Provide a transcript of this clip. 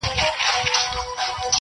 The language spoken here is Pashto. o هم پلرونه هم مو وړونه هم خپلوان دي,